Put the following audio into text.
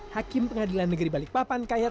hakim pengadilan negeri balikpapan kayat